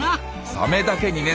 サメだけにね！